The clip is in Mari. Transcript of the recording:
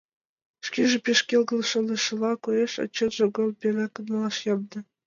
Шкеже пеш келгын шонышыла коеш, а чынжым гын, пӧлекым налаш ямде.